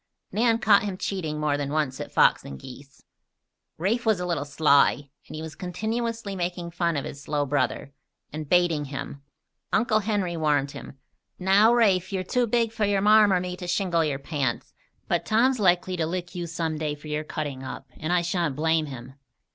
Nan caught him cheating more than once at fox and geese. Rafe was a little sly, and he was continually making fun of his slow brother, and baiting him. Uncle Henry warned him: "Now, Rafe, you're too big for your Marm or me to shingle your pants; but Tom's likely to lick you some day for your cutting up and I sha'n't blame him.